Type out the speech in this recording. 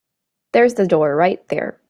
There's the door right there.